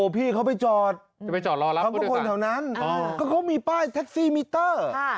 พี่เขาไปจอดทั้งคนแถวนั้นก็มีป้ายแท็กซี่มิเตอร์